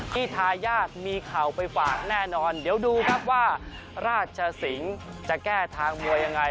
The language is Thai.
ทายาทมีเข่าไปฝากแน่นอนเดี๋ยวดูครับว่าราชสิงศ์จะแก้ทางมวยยังไง